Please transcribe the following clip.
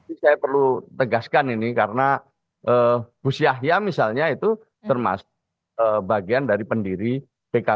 tapi saya perlu tegaskan ini karena gus yahya misalnya itu termasuk bagian dari pendiri pkb